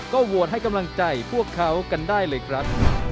ก็โหวตให้กำลังใจพวกเขากันได้เลยครับ